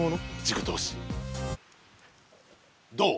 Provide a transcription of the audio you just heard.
どう？